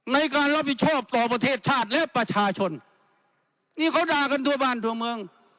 ในการรับผิดชอบต่อประเทศชาติและประชาชนนี่เขาด่ากันทั่วบ้านทั่วเมือง